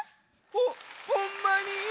ほほんまに？